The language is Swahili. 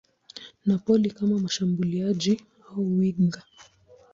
Napoli kama mshambuliaji au winga.